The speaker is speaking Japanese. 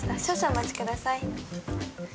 少々お待ちください。